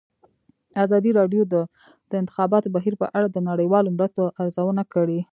ازادي راډیو د د انتخاباتو بهیر په اړه د نړیوالو مرستو ارزونه کړې.